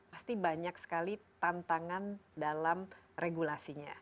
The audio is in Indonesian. pasti banyak sekali tantangan dalam regulasinya